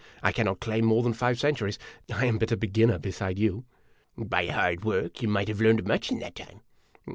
I cannot claim more than five centuries. I am but a be ginner beside you." " By hard work you might have learned much in that time."